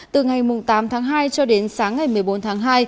từ ngày tám tháng hai cho đến sáng ngày một mươi bốn tháng hai